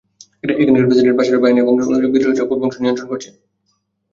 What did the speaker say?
এখন প্রেসিডেন্ট বাশারের বাহিনী সেখানকার পশ্চিমাংশ এবং বিদ্রোহীরা পূর্বাংশ নিয়ন্ত্রণ করছে।